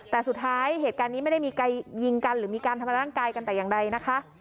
แต่สุดท้ายเหตุการณ์นี้ไม่ได้มีการยิงกันหรือมีการทำร้ายร่างกายกันแต่อย่างใดนะคะ